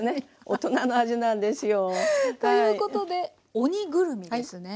大人の味なんですよ。ということで鬼ぐるみですね。